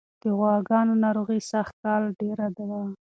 د غواګانو ناروغي سږکال ډېره وه.